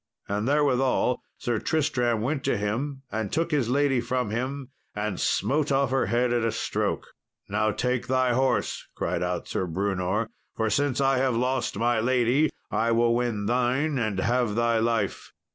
And therewithal Sir Tristram went to him and took his lady from him, and smote off her head at a stroke. "Now take thy horse," cried out Sir Brewnor, "for since I have lost my lady I will win thine and have thy life."